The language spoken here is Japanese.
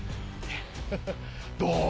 どう？